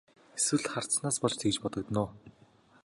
Эсвэл хардсанаас болж тэгж бодогдоно уу?